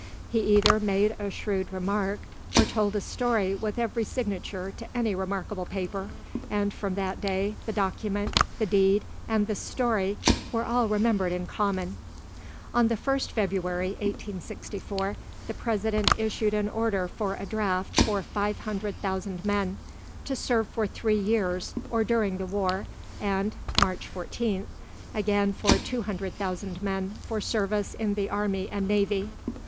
He either made a shrewd remark or told a story with every signature to any remarkable paper, and from that day the document, the deed, and the story were all remembered in common. On the 1st February, 1864, the President issued an order for a draft for 500,000 men, to serve for three years or during the war, and (March 14th) again for 200,000 men for service in the army and navy.